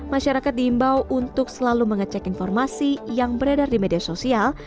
masyarakat diimbau untuk selalu mengecek informasi yang beredar di media sosial